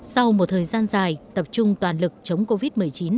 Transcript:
sau một thời gian dài tập trung toàn lực chống covid một mươi chín